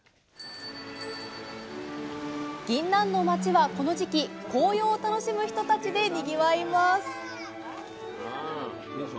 ぎんなんの町はこの時期黄葉を楽しむ人たちでにぎわいます